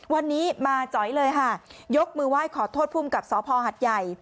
วันนี้มาจอยเลยค่ะยกมือไหว้ขอโทษภูมิกับสพหัดใหญ่